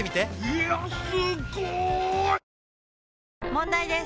問題です！